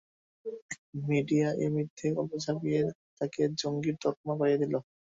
Media এই মিথ্যে গল্প ছাপিয়ে তাকে জঙ্গীর তকমা পাইয়ে দিল।